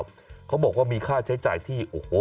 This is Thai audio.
เบื้องต้น๑๕๐๐๐และยังต้องมีค่าสับประโลยีอีกนะครับ